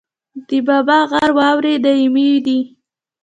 د بابا غر واورې دایمي دي